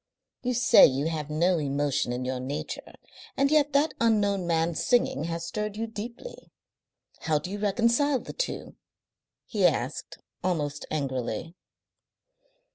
"You say you have no emotion in your nature, and yet that unknown man's singing has stirred you deeply. How do you reconcile the two?" he asked, almost angrily.